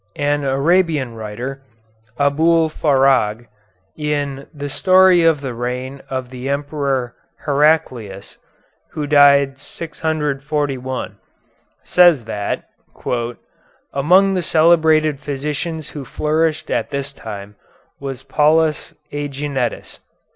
An Arabian writer, Abul Farag, in "The Story of the Reign of the Emperor Heraclius," who died 641, says that "among the celebrated physicians who flourished at this time was Paulus Æginetus."